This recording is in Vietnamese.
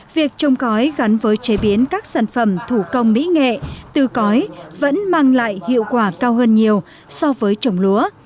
việc trồng cõi gắn với chế biến các sản phẩm thủ công mỹ nghệ từ cõi vẫn mang lại hiệu quả cao hơn nhiều so với trồng lúa